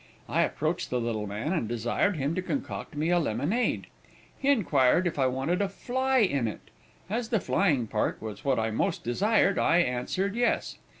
I approached the little man, and desired him to concoct me a lemonade. He inquired if I wanted a 'fly' in it. As the flying part was what I most desired, I answered yes.